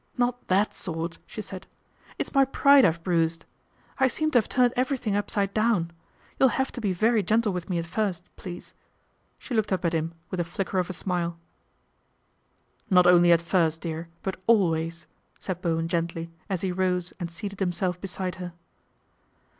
" Not that sort," she said. ' It's my pride I've bruised. I seem to have turned everything upside down. You'll have to be very gentle with me at first, please." She looked up at him with a flicker of a smile. " Not only at first, dear, but always," said Bowen gently as he rose and seated himself beside her.